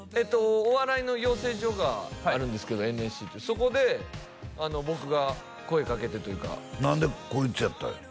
お笑いの養成所があるんですけどＮＳＣというそこで僕が声かけてというか何でこいつやったんや？